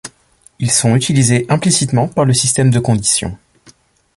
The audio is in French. Ils sont utilisés implicitement par le système de condition.